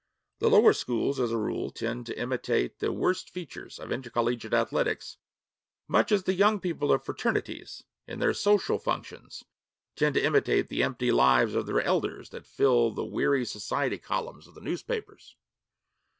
The lower schools as a rule tend to imitate the worst features of intercollegiate athletics, much as the young people of fraternities, in their 'social functions,' tend to imitate the empty lives of their elders that fill the weary society columns of the newspapers.